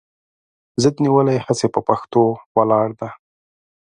ضد نیولې هسې پهٔ پښتو ولاړه ده